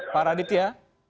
pak radit ya